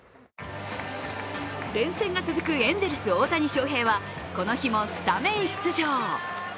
連戦が続くエンゼルス大谷翔平はこの日もスタメン出場。